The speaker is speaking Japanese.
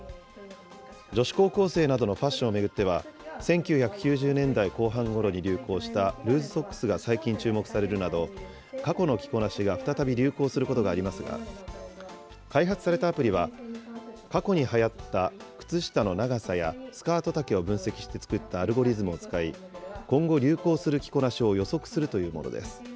女子高校生などのファッションを巡っては、１９９０年代後半ごろに流行したルーズソックスが最近注目されるなど、過去の着こなしが再び流行することがありますが、開発されたアプリは、過去にはやった靴下の長さやスカート丈を分析して作ったアルゴリズムを使い、今後流行する着こなしを予測するというものです。